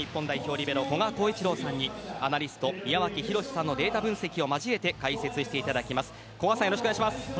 リベロ古賀幸一郎さんにアナリストの宮脇裕史さんのデータ解説を交えて解説いただきます。